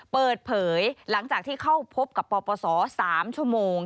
เปิดเผยหลังจากที่เข้าพบกับปปศ๓ชั่วโมง